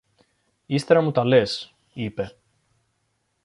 Ύστερα μου τα λες, είπε.